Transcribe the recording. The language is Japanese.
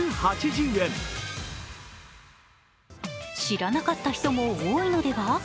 知らなかった人も多いのでは。